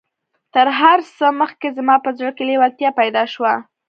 تر هر څه مخکې زما په زړه کې لېوالتيا پيدا شوه.